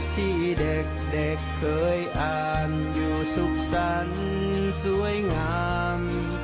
ที่เด็กเคยอ่านอยู่สุขสรรค์สวยงาม